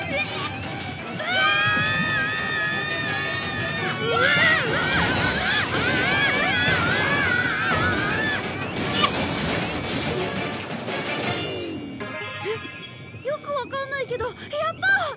えっよくわかんないけどやった！